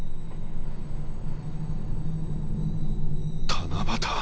七夕。